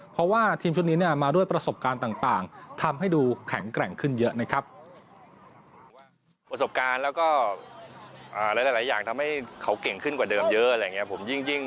เพราะว่าทีมชุดนี้เนี่ยมาด้วยประสบการณ์ต่างทำให้ดูแข็งแกร่งขึ้นเยอะนะครับ